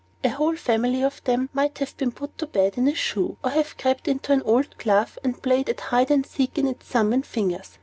A whole family of them might have been put to bed in a shoe, or have crept into an old glove, and played at hide and seek in its thumb and fingers.